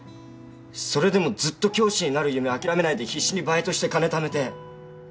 それでもずっと教師になる夢諦めないで必死にバイトして金ためて。